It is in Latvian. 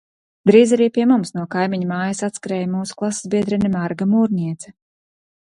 Drīz arī pie mums no kaimiņu mājas atskrēja mūsu klasesbiedre Marga Mūrniece.